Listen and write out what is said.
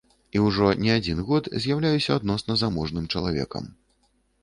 І ўжо не адзін год з'яўляюся адносна заможным чалавекам.